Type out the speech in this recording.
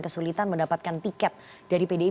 kesulitan mendapatkan tiket dari pdi